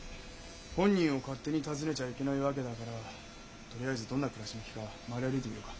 本人を勝手に訪ねちゃいけないわけだからとりあえずどんな暮らし向きか周り歩いてみようか？